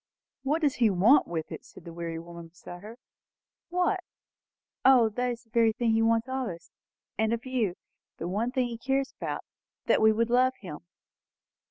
'" "What does he want with it?" said the weary woman beside her. "What? O, it is the very thing he wants of us, and of you; the one thing he cares about! That we would love him."